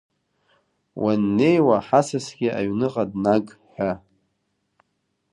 Уаннеиуа ҳасасгьы аҩныҟа днаг, ҳәа.